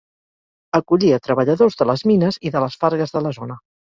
Acollia treballadors de les mines i de les fargues de la zona.